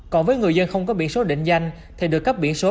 còn với người dân không có biển số định danh thì được cấp biển số